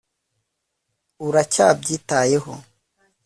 uracyabyitayeho